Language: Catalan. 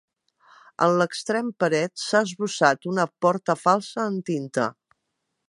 En l'extrem paret s'ha esbossat una porta falsa en tinta.